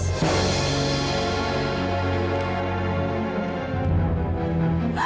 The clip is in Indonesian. dia pasti menang